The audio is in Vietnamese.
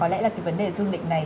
có lẽ là cái vấn đề du lịch này